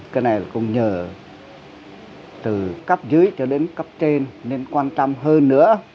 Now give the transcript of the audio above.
cũng nhờ từ cấp dưới cho đến cấp trên nên quan tâm hơn nữa